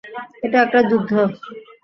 এটা একটা যুদ্ধ!